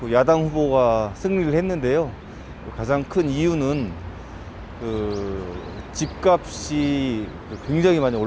yang paling besar adalah harga rumahnya meningkat sangat banyak